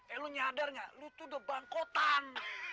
eh lu nyadarnya lu tuh udah bangkotan